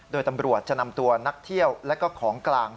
โดยตำรวจจะนำตัวนักเที่ยวและก็ของกลาง